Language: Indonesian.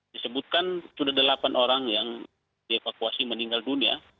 disebutkan sudah delapan orang yang dievakuasi meninggal dunia